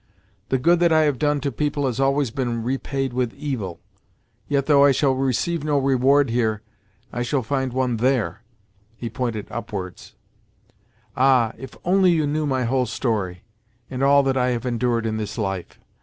The good that I have done to people has always been repaid with evil; yet, though I shall receive no reward here, I shall find one there" (he pointed upwards). "Ah, if only you knew my whole story, and all that I have endured in this life!